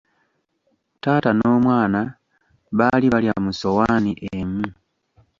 Taata n'omwana baali balya mu ssowaani emu.